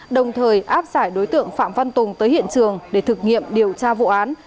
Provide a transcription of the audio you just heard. đồng thời áp giải đối tượng phạm văn tùng tới hiện trường để thực nghiệm điều tra vụ án